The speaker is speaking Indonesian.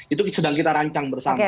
itu sedang kita rancang bersama